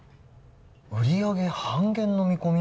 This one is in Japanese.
売り上げ半減の見込み？